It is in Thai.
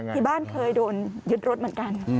ที่บ้านเคยโดนยึดรถเหมือนกัน